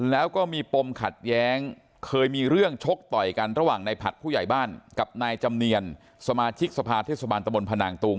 แล้วก็มีปมขัดแย้งเคยมีเรื่องชกต่อยกันระหว่างในผัดผู้ใหญ่บ้านกับนายจำเนียนสมาชิกสภาเทศบาลตะบนพนางตุง